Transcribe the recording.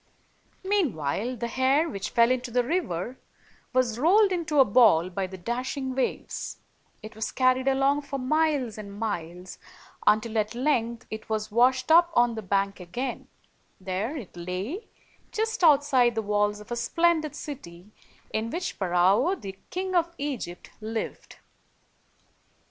Meanwhile, the hair, which fell into the river, was rolled into a ball by the dashing waves ; it was carried along for miles and miles, until, at length, it was washed up on the bank again; there it lay, just outside the walls of a splen did city in which Pharaoh, the King of Egypt, lived.